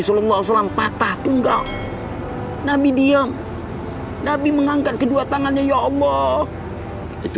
sholallahu wasallam patah tunggal nabi diam nabi menengahkan kedua tangannya ya allah itu